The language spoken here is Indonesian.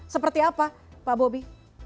seperti apa pak bobi